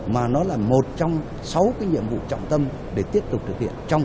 mà nó là một trong sáu cái nhiệm vụ trọng tâm để tiếp tục thực hiện